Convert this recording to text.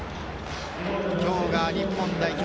今日が日本代表